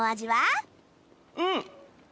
うん！